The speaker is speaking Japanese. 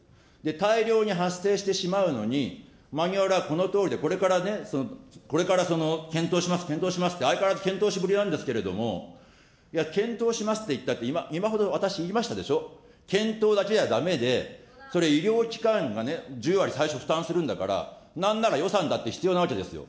大量に発生してしまうのに、マニュアルはこのとおりで、これからね、これから検討します、検討しますって、相変わらず検討しぶりなんですけれども、いや、検討しますっていったって、私、言いましたでしょ、検討だけじゃだめで、それ医療機関がね、１０割最初負担するんだから、なんなら予算だって必要なわけですよ。